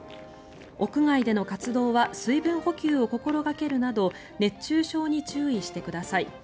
屋外での活動は水分補給を心掛けるなど熱中症に注意してください。